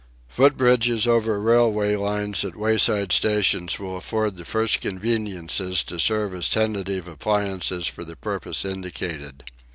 Foot bridges over railway lines at wayside stations will afford the first conveniences to serve as tentative appliances for the purpose indicated.